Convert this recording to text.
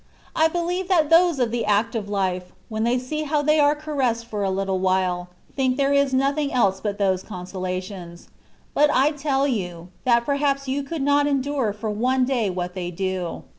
I believe that those of the active life, when they see how they are caxessed for a little while, think there is nothing else but those consolations: but I tell you, that perhaps you could not endure for one day what they do.